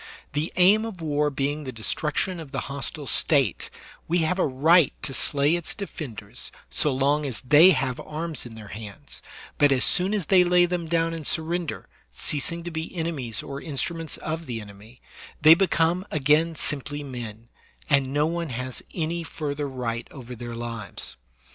The aim of war being the destruction of the hostile State, we have a right to slay its defenders so long as they have arms in their hands; but as soon as they lay them down and surrender, ceasing to be enemies or instruments of the enemy, they become again simply men, and no one has any further right over their lives.